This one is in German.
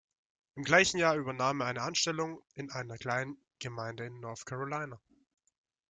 Im gleichen Jahr übernahm er eine Anstellung in einer kleinen Gemeinde in North Carolina.